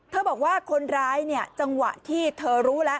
บอกว่าคนร้ายเนี่ยจังหวะที่เธอรู้แล้ว